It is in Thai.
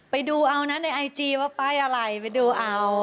ไปดูเอานะในไอจีว่าป้ายอะไรไปดูเอา